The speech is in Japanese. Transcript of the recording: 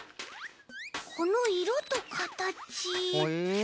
このいろとかたち。